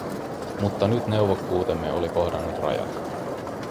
Mutta nyt neuvokkuutemme oli kohdannut rajat.